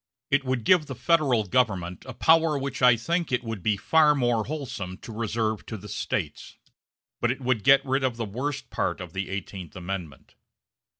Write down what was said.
It would give the Federal Government a power which I think it would be far more wholesome to reserve to the States; but it would get rid of the worst part of the Eighteenth Amendment.